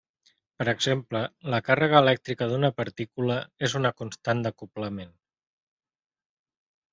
Per exemple, la càrrega elèctrica d'una partícula és una constant d'acoblament.